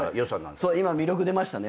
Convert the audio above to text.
今魅力出ましたね。